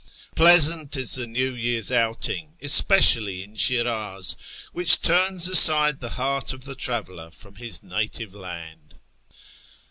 ' Pleasant is the New Year's outing, especially in Sliirdz, Wliicli turns aside the heart of the traveller from his native land.'